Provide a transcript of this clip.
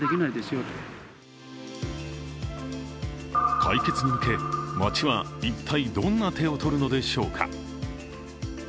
解決に向け、町は一体どんな手をとるのでしょうか。